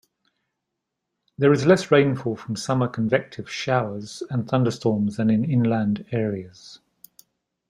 There is less rainfall from summer convective showers and thunderstorms than in inland areas.